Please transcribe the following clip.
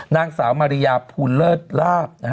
นางสาวมาริยาภูลเลิศลาบ